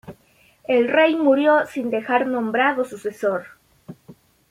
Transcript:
El rey murió sin dejar nombrado sucesor.